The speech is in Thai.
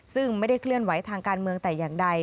ซึ่งไม่ได้เคลื่อนไหวทางการเมืองแต่อย่างใด